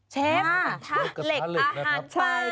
เชฟกระทะเหล็กอาหารป่า